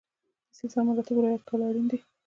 د سلسله مراتبو رعایت کول اړین دي.